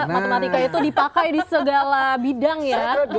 matematika itu dipakai di segala bidang ya